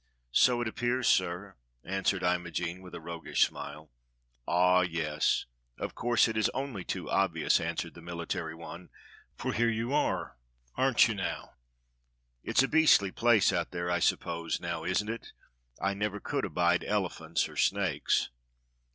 "So it appears, sir," answered Imogene, with a roguish smile. "Ah, yes. Of course it is only too obvious," an swered the military one, "for here you are, aren't you now? It's a beastly place out there, I suppose, now isn't it.f^ I never could abide elephants or snakes